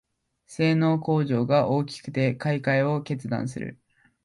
性能向上が大きくて買いかえを決断する